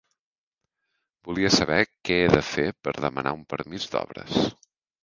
Volia saber què he de fer per demanar un permís d'obres.